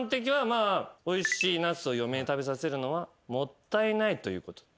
おいしいナスを嫁に食べさせるのはもったいないということ。